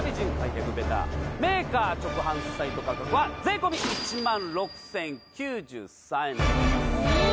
メーカー直販サイト価格は税込１６０９３円でございます